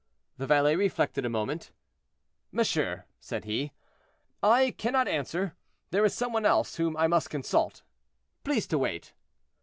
The valet reflected a moment. "Monsieur," said he, "I cannot answer; there is some one else whom I must consult. Please to wait."